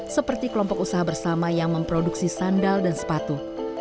seperti kelompok usaha bersama yang memproduksi sandal dan sepatu